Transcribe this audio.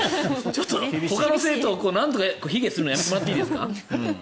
ほかの生徒をなんとか卑下するのはやめてもらっていいですか？